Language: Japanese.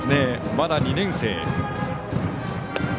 まだ２年生。